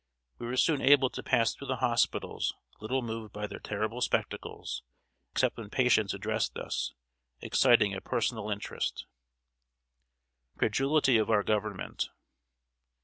We were soon able to pass through the hospitals little moved by their terrible spectacles, except when patients addressed us, exciting a personal interest. [Sidenote: CREDULITY OF OUR GOVERNMENT.